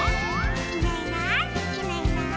「いないいないいないいない」